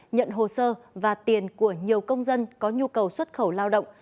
nhận hồ sơ và tiền của nhiều công dân có nhu cầu xuất khẩu lao động